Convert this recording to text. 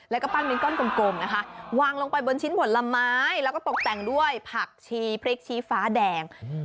แล้วก็ปั้นเป็นก้อนกลมนะคะวางลงไปบนชิ้นผลไม้แล้วก็ตกแต่งด้วยผักชีพริกชี้ฟ้าแดง